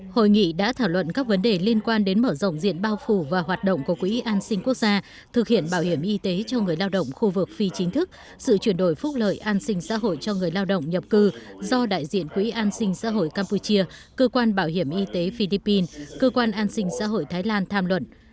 hội nghị đã thảo luận các vấn đề liên quan đến mở rộng diện bao phủ và hoạt động của quỹ an sinh quốc gia thực hiện bảo hiểm y tế cho người lao động khu vực phi chính thức sự chuyển đổi phúc lợi an sinh xã hội cho người lao động nhập cư do đại diện quỹ an sinh xã hội campuchia cơ quan bảo hiểm y tế philippines cơ quan an sinh xã hội thái lan tham luận